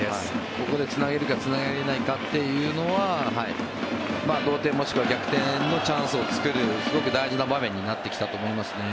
ここでつなげるかつなげないかというのは同点もしくは逆転のチャンスを作るすごく大事な場面になってきたと思いますね。